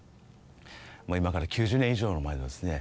今から９０年以上前のですね